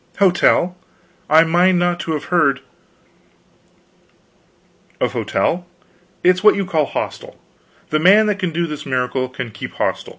"Hotel? I mind not to have heard " "Of hotel? It's what you call hostel. The man that can do this miracle can keep hostel.